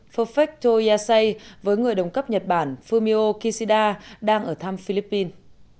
perfecto yasai với người đồng cấp nhật bản fumio kishida đang ở thăm philippines